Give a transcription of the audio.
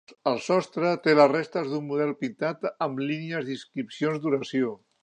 El sostre té les restes d'un model pintat amb línies d'inscripcions d'oració.